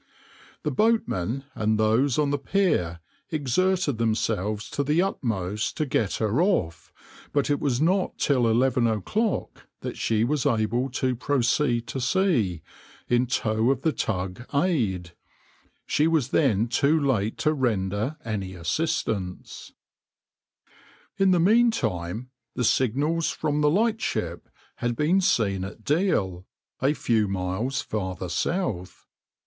The boatmen and those on the pier exerted themselves to the utmost to get her off, but it was not till eleven o'clock that she was able to proceed to sea, in tow of the tug {\itshape{Aid}}. She was then too late to render any assistance.\par \vs {\noindent} In the meantime the signals from the lightship had been seen at Deal, a few miles farther south.